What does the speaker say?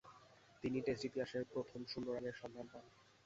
তিনি টেস্ট ইতিহাসের প্রথম শূন্য রানের সন্ধান পান।